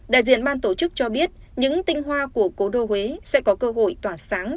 đại diện ban tổ chức cho biết những tinh hoa của cố đô huế sẽ có cơ hội tỏa sáng